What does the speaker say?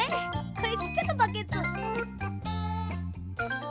これちっちゃなバケツ。